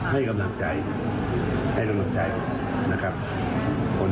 ตอนนี้เราเห็นสัญญาณท่าที่ของแก่งพักนั้นคุณเอง